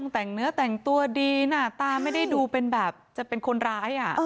แต่งเนื้อแต่งตัวดีหน้าตาไม่ได้ดูเป็นแบบจะเป็นคนร้าย